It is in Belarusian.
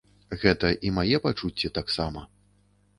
Гэта і мае пачуцці таксама.